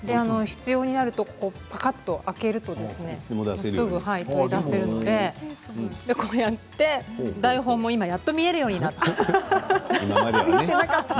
必要になるとパカっと開けるとすぐ取り出せるのでこのようにして台本も今やっと見えるようになりました。